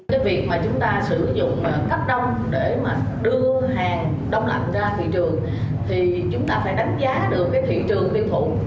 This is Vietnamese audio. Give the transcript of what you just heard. cái việc mà chúng ta sử dụng cách đông để mà đưa hàng đông lạnh ra thị trường thì chúng ta phải đánh giá được cái thị trường tiêu thụ